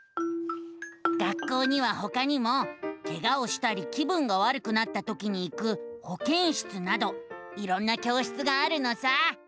学校にはほかにもケガをしたり気分がわるくなったときに行くほけん室などいろんな教室があるのさ。